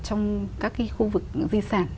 trong các cái khu vực di sản